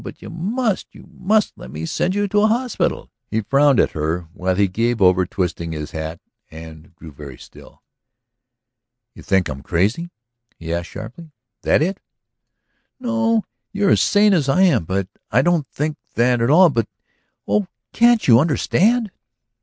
But you must, you must let me send you to a hospital!" He frowned at her while he gave over twirling his hat and grew very still. "You think I am crazy?" he asked sharply. "That it?" "No. You are as sane as I am. I don't think that at all. But ... Oh, can't you understand?"